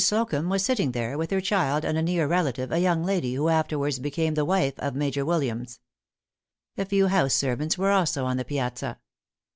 Slocumb was sitting there, with her child and a near relative, a young lady, who afterwards became the wife of Major Williams. A few house servants were also on the piazza.